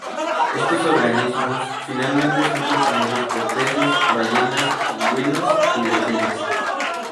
Estos organismos finalmente son consumidos por peces, ballenas, pingüinos, y delfines.